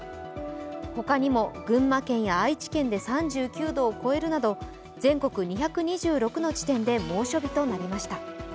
他にも群馬県や愛知県で３９度を超えるなど、全国２２６の地点で猛暑日となりました。